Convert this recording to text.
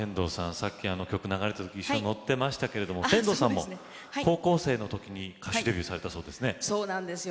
さっき曲が流れたときにのっていましたけれども天童さんも高校生のときに歌手デビューされたそうですね。